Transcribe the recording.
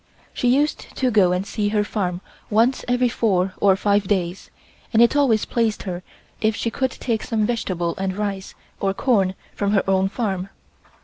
She used to go and see her farm once every four or five days, and it always pleased her if she could take some vegetables and rice or corn from her own farm.